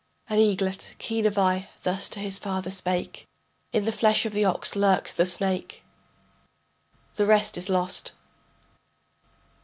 An eaglet, keen of eye, thus to his father spake: In the flesh of the ox lurks the snake [The rest is lost.